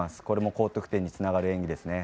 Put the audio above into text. これも高得点につながる演技です。